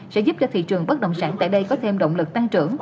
sẽ giúp cho thị trường bất động sản tại đây có thêm động lực tăng trưởng